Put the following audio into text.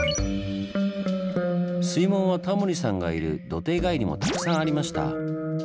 水門はタモリさんがいる土手以外にもたくさんありました。